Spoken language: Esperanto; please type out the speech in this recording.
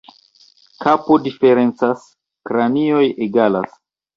Kapoj diferencas, kranioj egalas.